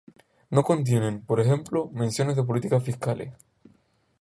No contienen, por ejemplo, menciones de políticas fiscales.